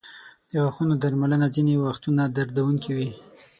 د غاښونو درملنه ځینې وختونه دردونکې وي.